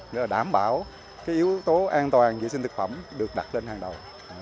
để đảm bảo yếu tố an toàn vệ sinh thực phẩm được đặt lên hàng đầu